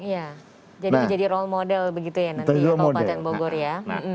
jadi menjadi role model begitu ya nanti kaupaten bogor ya